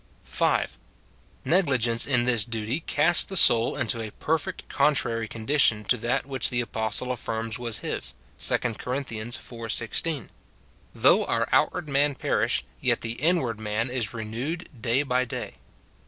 5. Negligence in this duty casts the soul into a per fect contrary condition to that which the apostle affirms was his, 2 Cor. iv. 16, " Though our outward man perish, yet the inward man is renewed day by day."